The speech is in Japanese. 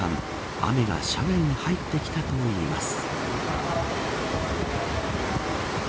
雨が車内に入ってきたと言います。